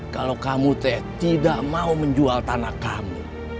kalau kamu tidak mau menjual tanah kamu